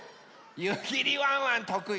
ゆきりワンワンとくいですよ。